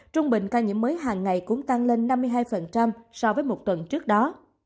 trung bình ca nhiễm mới hàng ngày cũng tăng lên năm mươi hai so với một tuần trước đó